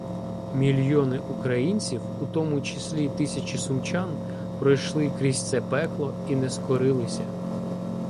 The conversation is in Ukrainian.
Мільйони українців, у тому числі тисячі сумчан, пройшли крізь це пекло і не скорилися.